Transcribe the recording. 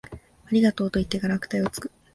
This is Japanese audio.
ありがとう、と言ってから悪態をつく